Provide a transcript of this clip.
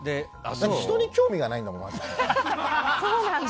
人に興味がないんだもん、まず。